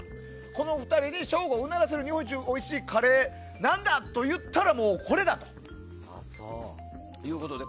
この２人に省吾をうならせる日本一おいしいカレーは何だといったらこれだということで。